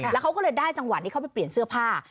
แล้วเขาก็เลยได้จังหวะนี้เข้าไปเปลี่ยนเสื้อผ้า